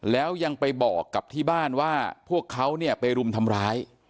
แล้วยังไปบอกกับที่บ้านว่าพวกเขาเนี่ยไปรุมทำร้าย